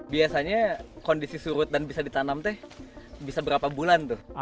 biasanya kondisi surut dan bisa ditanam teh bisa berapa bulan tuh